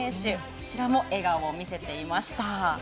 こちらも笑顔を見せていました。